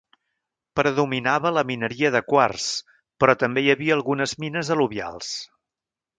Predominava la mineria de quars, però també hi havia algunes mines al·luvials.